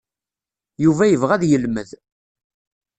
Yuba yebɣa ad yelmed.